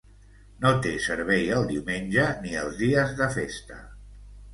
No té servei el diumenge ni els dies de festa.